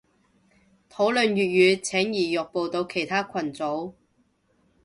討論粵語請移玉步到其他群組